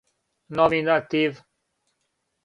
номинатив